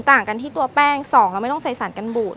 ต่างกันที่ตัวแป้ง๒เราไม่ต้องใส่สารกันบูด